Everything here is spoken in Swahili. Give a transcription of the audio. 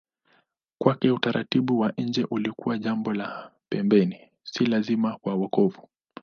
Kwake utaratibu wa nje ulikuwa jambo la pembeni, si lazima kwa wokovu.